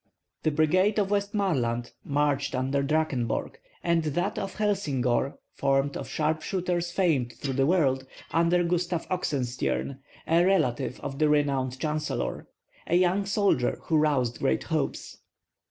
The brigade of Westrmanland marched under Drakenborg; and that of Helsingor, formed of sharpshooters famed through the world, under Gustav Oxenstiern, a relative of the renowned chancellor, a young soldier who roused great hopes.